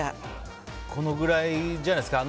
このぐらいじゃないですか。